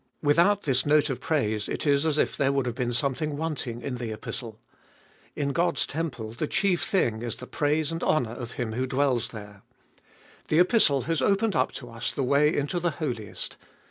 Without this note of praise it is as if there would have been something wanting in the Epistle. In God's temple the chief thing is the praise and honour of Him who dwells there. The Epistle has opened up to us the way into the Holiest.